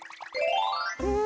うん？